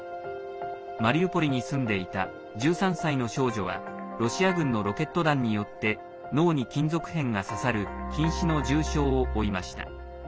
マリウポリに住んでいた１３歳の少女はロシア軍のロケット弾によって脳に金属片が刺さるひん死の重傷を負いました。